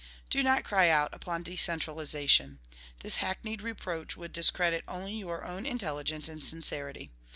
Do not cry out upon decentralization. This hackneyed reproach would discredit only your own intelligence and sincerity.